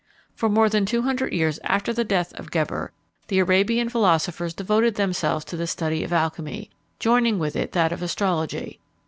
For more than two hundred years after the death of Geber, the Arabian philosophers devoted themselves to the study of alchymy, joining with it that of astrology.